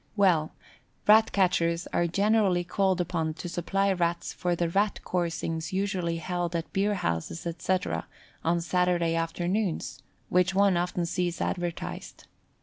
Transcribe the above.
Well, Rat catchers are generally called upon to supply Rats for the Rat coursings usually held at beerhouses, etc., on Saturday afternoons, which one often sees advertised.